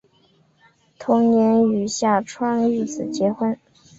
同年与下川玉子结婚。